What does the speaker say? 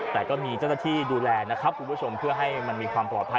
แต่ก็มีเจ้าหน้าที่ดูแลนะครับคุณผู้ชมเพื่อให้มันมีความปลอดภัย